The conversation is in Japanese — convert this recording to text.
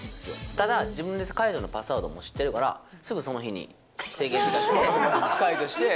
ただ、自分で解除のパスワードも知ってるから、すぐその日に制限時間解除して。